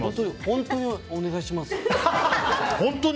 本当にお願いします。